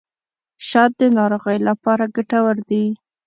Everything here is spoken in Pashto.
شات د ناروغیو لپاره ګټور دي.